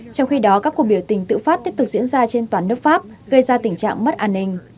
trong khi đó các cuộc biểu tình tự phát tiếp tục diễn ra trên toàn nước pháp gây ra tình trạng mất an ninh